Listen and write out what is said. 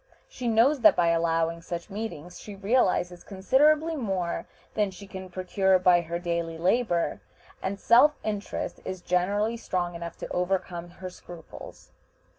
She knows that by allowing such meetings she realizes considerably more than she can procure by her daily labor, and self interest is generally strong enough to overcome her scruples.